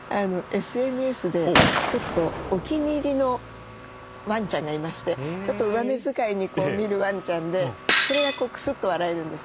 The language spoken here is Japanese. ＳＮＳでちょっとお気に入りのワンちゃんがいましてちょっと上目遣いにこう見るワンちゃんでそれがクスッと笑えるんですね。